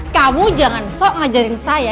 kamu jangan sok ngajarin saya